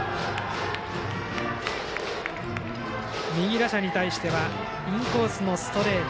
右打者に対してはインコースのストレート